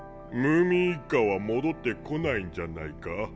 ムーミン一家は戻ってこないんじゃないか？